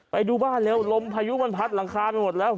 ไปดูบ้านเร็วลมพายุมันพัดหลังคาไปหมดแล้ว